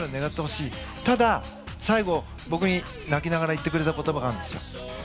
ただ最後僕に泣きながら言ってくれた言葉があるんですよ。